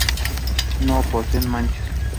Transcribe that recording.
No poseen manchas.